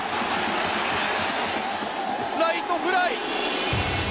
ライトフライ！